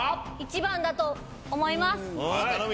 １番だと思います。